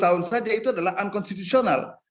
empat puluh tahun saja itu adalah unconstitutional